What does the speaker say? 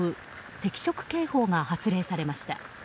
赤色警報が発令されました。